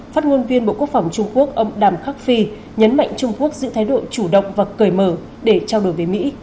phát ngôn viên bộ quốc phòng trung quốc ông đàm khắc phi nhấn mạnh trung quốc giữ thái độ chủ động và cởi mở để trao đổi với mỹ